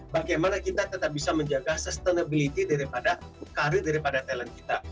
bagaimana kita tetap bisa menjaga sustainability daripada karir daripada talent kita